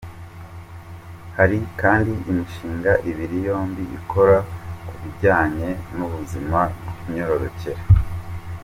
Hari kandi imishinga ibiri yombi ikora ku bijyanye n’ubuzima bw’imyororokere.